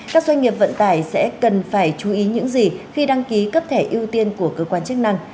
các doanh nghiệp vận tải sẽ cần phải chú ý những gì khi đăng ký cấp thẻ ưu tiên của cơ quan chức năng